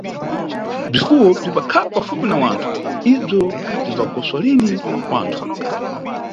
Bzifuwo bzimbakhala pafupi na wanthu, ibzo bzimba goswa lini wanthu .